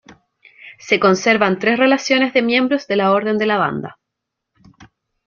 Se conservan tres relaciones de miembros de la Orden de la Banda.